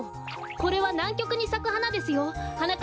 これはなんきょくにさくはなですよはなかっぱくん！